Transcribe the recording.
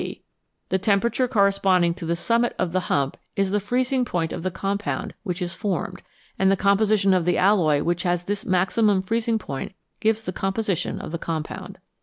The temperature corresponding to the summit of the hump is the freezing point of the compound which is formed, and the composition of the alloy which has this maximum freezing point gives the composition of the compound.